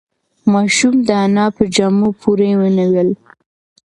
ماشوم د انا په جامو پورې ونیول.